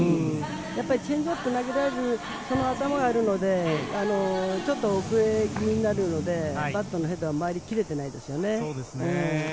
チェンジアップを投げられるその頭があるので、ちょっと遅れ気味になるので、バットが回りきれていないですよね。